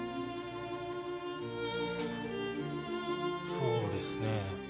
そうですね。